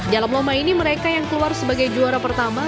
dalam lomba ini mereka yang keluar sebagai juara pertama